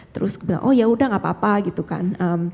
terus bilang oh yaudah gak apa apa gitu kan